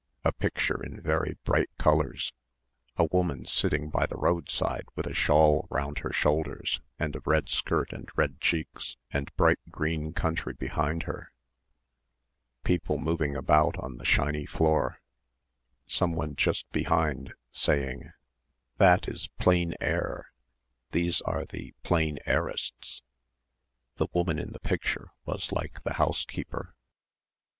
a picture in very bright colours ... a woman sitting by the roadside with a shawl round her shoulders and a red skirt and red cheeks and bright green country behind her ... people moving about on the shiny floor, someone just behind saying, "that is plein air, these are the plein airistes" the woman in the picture was like the housekeeper....